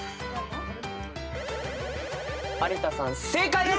有田さん正解です！